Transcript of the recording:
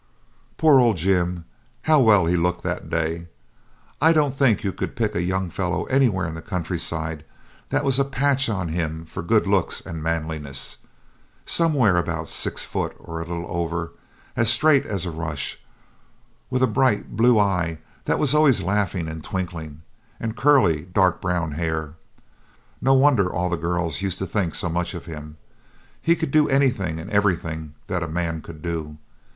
Poor old Jim, how well he looked that day! I don't think you could pick a young fellow anywhere in the countryside that was a patch on him for good looks and manliness, somewhere about six foot or a little over, as straight as a rush, with a bright blue eye that was always laughing and twinkling, and curly dark brown hair. No wonder all the girls used to think so much of him. He could do anything and everything that a man could do.